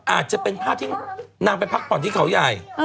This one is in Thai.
อาจจะเป็นภาพที่นางไปพักผ่อนที่เขาใหญ่